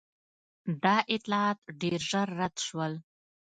دا اطلاعات ډېر ژر رد شول.